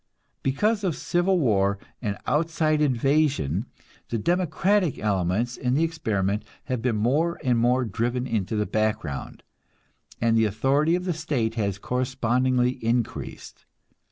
Because of civil war and outside invasion, the democratic elements in the experiment have been more and more driven into the background, and the authority of the state has correspondingly increased.